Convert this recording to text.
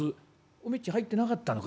おめえっち入ってなかったのか」。